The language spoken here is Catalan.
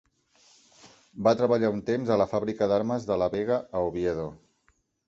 Va treballar un temps a la fàbrica d'armes de la Vega, a Oviedo.